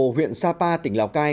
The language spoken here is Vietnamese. huyện sapa tỉnh lào cai